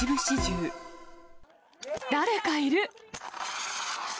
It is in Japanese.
誰かいる！